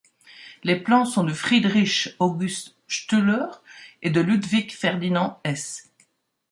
Les plans sont de Friedrich August Stüler et de Ludwig Ferdinand Hesse.